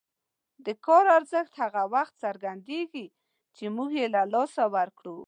د کار ارزښت هغه وخت څرګندېږي چې موږ یې له لاسه ورکړو.